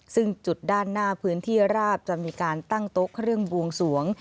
ซึ่งจุดด้านหน้าพื้นที่ราบจะมีการตั้งโต๊ะเครื่องบวงสวง